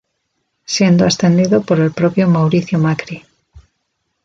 Siendo ascendido por el propio Mauricio Macri.